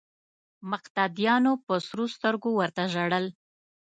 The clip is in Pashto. مقتدیانو په سرو سترګو ورته ژړل.